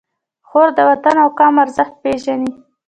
خور د وطن او قوم ارزښت پېژني.